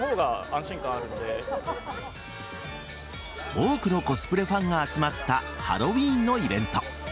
多くのコスプレファンが集まったハロウィーンのイベント。